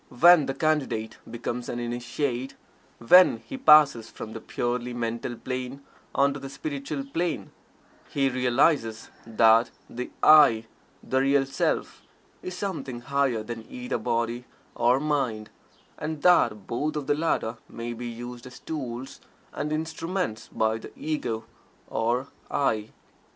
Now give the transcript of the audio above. When the Candidate becomes an Initiate when he passes from the purely Mental Plane on to the Spiritual Plane he realizes that the "I," the Real Self is something higher than either body or mind, and that both of the latter may be used as tools and instruments by the Ego or "I."